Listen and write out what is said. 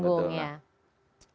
harus ditanggung ya